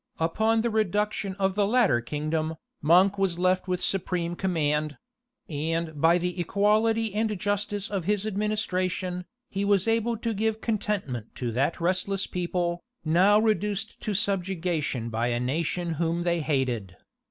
Upon the reduction of the latter kingdom, Monk was left with the supreme command; and by the equality and justice of his administration, he was able to give contentment to that restless people, now reduced to subjection by a nation whom they hated.